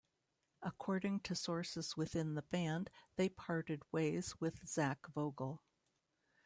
According to sources within the band, they parted ways with Zach Vogel.